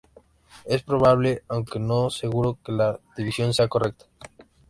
Es probable, aunque no seguro, que la división sea correcta.